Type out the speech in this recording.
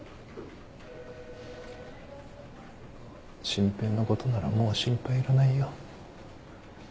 真平のことならもう心配いらないよ。